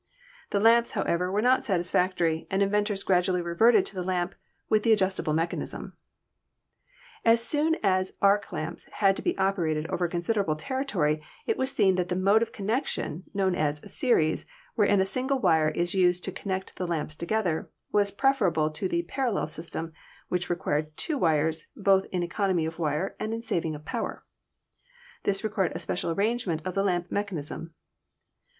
The lamps, however, were not satisfactory, and 228 ELECTRICITY inventors gradually reverted to the lamp with the adjust ing mechanism. As soon as arc lamps had to be operated over a consid erable territory it was seen that the mode of connection, known as "series," wherein a single wire is used to con nect the lamps together, was preferable to the "parallel'' —The Jablochkoff Candle. Fig. 23 — The Starr King Incandescent Platinum Lamp, 1845. system, which required two wires, both in economy of wire and in saving of power. This required a special arrangement of the lamp mechanism.